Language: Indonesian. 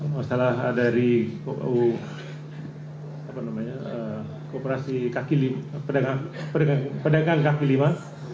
masalah dari kooperasi pedagang kaki lima